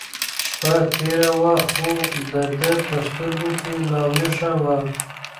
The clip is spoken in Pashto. شپه تېره وه خو د ده په سترګو کې لا وېښه وه.